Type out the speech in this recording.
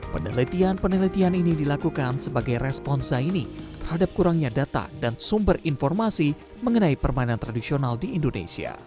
penelitian penelitian ini dilakukan sebagai respon zaini terhadap kurangnya data dan sumber informasi mengenai permainan tradisional di indonesia